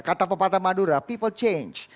kata pepatah madura people change